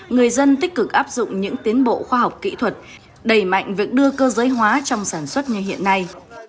người dân tích cực áp dụng những tiến bộ khoa học kỹ thuật đầy mạnh việc đưa cơ giới hóa trong sản xuất như hiện nay